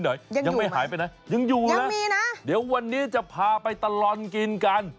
ยังอยู่ไหมยังไม่หายไปไหนยังอยู่แล้วยังมีนะเดี๋ยววันนี้จะพาไปตลอดกินกัน